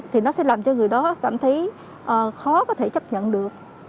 thì nó sẽ làm cho người đó cảm thấy khó có thể chấp nhận được